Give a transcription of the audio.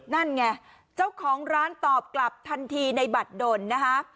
นั่นไงเจ้าของร้านตอบกลับทันทีในบัตรดนนะคะ